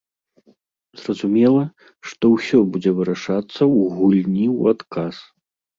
Зразумела, што ўсё будзе вырашацца ў гульні ў адказ.